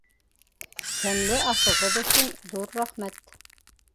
Тәмле ашығыҙ өсөн ҙур рәхмәт!